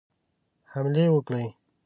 حملې وکړي.